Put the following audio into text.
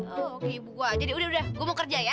oke ibu gue aja deh udah udah gue mau kerja ya ya